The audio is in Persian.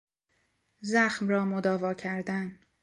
زخم را مداوا کردن